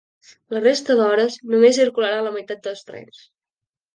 La resta d’hores només circularan la meitat dels trens.